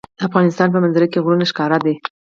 د افغانستان په منظره کې غرونه ښکاره ده.